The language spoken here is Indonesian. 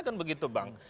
kan begitu bang